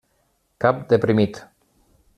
Cap deprimit.